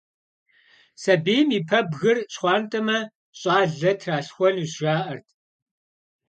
Сабийм и пэбгыр щхъуантӀэмэ, щӀалэ тралъхуэнущ, жаӀэрт.